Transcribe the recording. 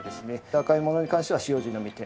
赤いものに関しては「使用時のみ点灯」。